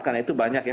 karena itu banyak ya